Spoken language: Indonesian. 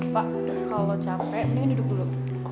pak udah kalau lo capek mendingan duduk dulu